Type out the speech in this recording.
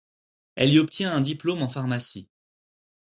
Elle y obtient un diplôme en pharmacie.